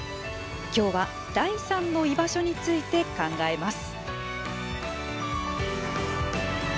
今日は第３の居場所について考えます。